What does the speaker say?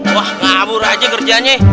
wah ngabur aja kerjanya